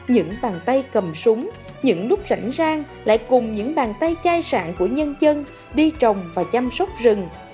những bàn tay cầm súng những lúc rảnh rang lại cùng những bàn tay chai sản của nhân dân đi trồng và chăm sóc rừng